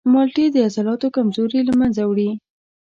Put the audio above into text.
مالټې د عضلاتو کمزوري له منځه وړي.